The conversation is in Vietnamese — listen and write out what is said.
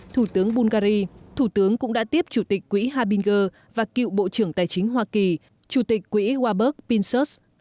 thủ tướng bulgari thủ tướng cũng đã tiếp chủ tịch quỹ habinger và cựu bộ trưởng tài chính hoa kỳ chủ tịch quỹ arburg pinsurs